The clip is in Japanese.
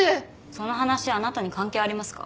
その話あなたに関係ありますか？